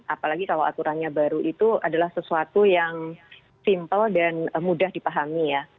apalagi kalau aturannya baru itu adalah sesuatu yang simple dan mudah dipahami ya